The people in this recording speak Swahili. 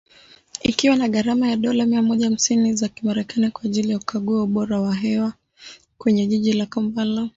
Ikiwa na gharama ya dola mia moja hamsini za kimerekani kwa ajili ya kukagua ubora wa hewa kwenye jiji la Kampala.